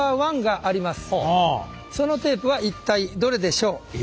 そのテープは一体どれでしょう？